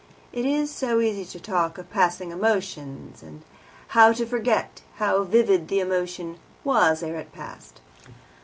It is so easy to talk of "passing emotion," and how to forget how vivid the emotion was ere it passed.